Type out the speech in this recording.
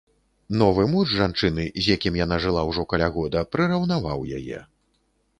Новы муж жанчыны, з якім яна жыла ўжо каля года, прыраўнаваў яе.